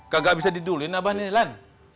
kagak bisa didulin abah nilan